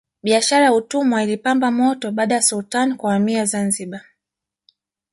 biashara ya utumwa ilipamba moto baada ya sultani kuhamia zanzibar